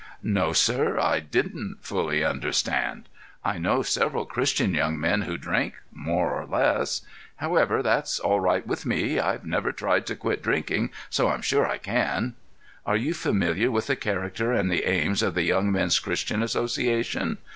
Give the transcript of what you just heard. "No, sir; I didn't fully understand. I know several Christian young men who drink—more or less. However, that's all right with me. I've never tried to quit drinking, so I'm sure I can." "Are you familiar with the character and the aims of the Young Men's Christian Association?"